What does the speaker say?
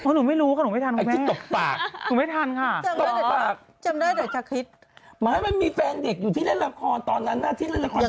หมายถึงมันมีแฟนเด็กอยู่ที่เล่นละครตอนนั้นที่เล่นละคร